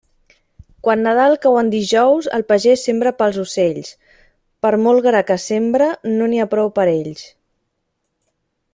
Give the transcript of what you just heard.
Quan Nadal cau en dijous, el pagés sembra pels ocells; per molt gra que sembre no n'hi ha prou per a ells.